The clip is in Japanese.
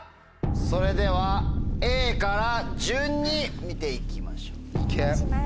それではＡから順に見て行きましょう。